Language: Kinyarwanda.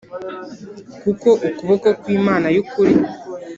Kuko ukuboko kw imana y ukuri